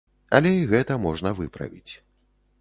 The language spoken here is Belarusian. Але і гэта можна выправіць.